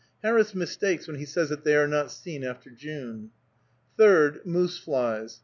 Harris mistakes when he says that they are not seen after June. Third, moose flies.